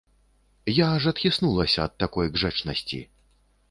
Я аж адхіснулася ад такой гжэчнасці!